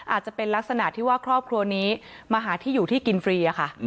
อาจจะเป็นลักษณะที่ว่าครอบครัวนี้มาหาที่อยู่ที่กินฟรีค่ะ